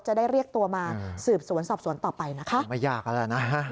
จะได้เรียกตัวมาสืบสวนสอบสวนต่อไปนะคะไม่ยากแล้วนะฮะ